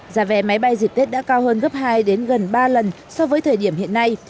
giá vé máy bay dịp tết đã cao hơn gấp hai đến gần ba lần so với thời điểm hiện nay